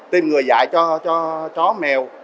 tiêm ngừa dại cho chó mèo